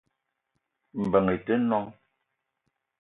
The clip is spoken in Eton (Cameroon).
Mbeng i te noong